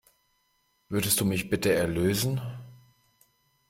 Würdest du mich bitte erlösen?